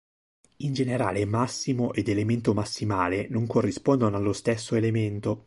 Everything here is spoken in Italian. In generale, massimo ed elemento massimale non corrispondono allo stesso elemento.